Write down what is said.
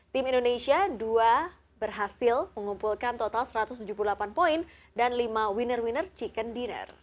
tim indonesia dua berhasil mengumpulkan total satu ratus tujuh puluh delapan poin dan lima winner winner chicken dinner